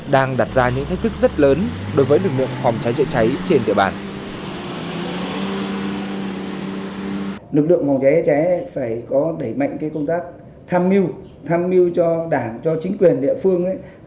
đang đặt ra những thách thức rất lớn đối với lực mục phòng cháy chữa cháy trên đệ bàn